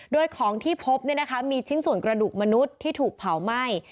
โดยของที่พบมีชิ้นส่วนกระดูกมนุษย์ที่ถูกเผาไหม้